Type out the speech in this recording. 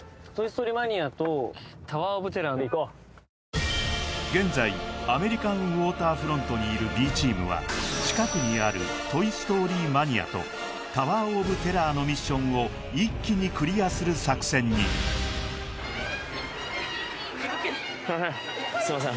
行こう現在アメリカンウォーターフロントにいるＢチームは近くにあるトイ・ストーリー・マニア！とタワー・オブ・テラーのミッションを一気にクリアする作戦にすいません